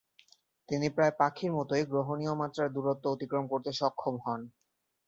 তিনি প্রায় পাখির মতই গ্রহণীয় মাত্রার দূরত্ব অতিক্রম করতে সক্ষম হন।